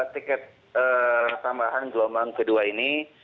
tiket tambahan gelombang kedua ini